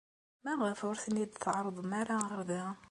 Maɣef ur ten-id-tɛerrḍem ara ɣer da?